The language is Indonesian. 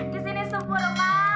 disini subur mak